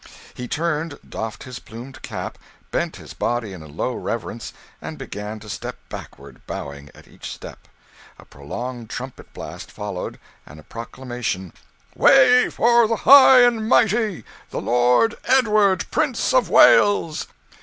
He turned, doffed his plumed cap, bent his body in a low reverence, and began to step backward, bowing at each step. A prolonged trumpet blast followed, and a proclamation, "Way for the high and mighty the Lord Edward, Prince of Wales!"